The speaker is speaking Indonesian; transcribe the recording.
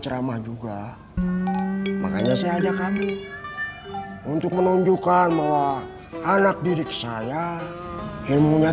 ceramah juga makanya saya ajak kami untuk menunjukkan bahwa anak didik saya ilmunya